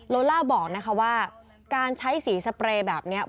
โลล่าบอกนะคะว่าการใช้สีสเปรย์แบบนี้